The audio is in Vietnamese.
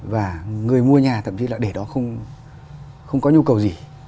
và người mua nhà thậm chí là để đó không có nhu cầu gì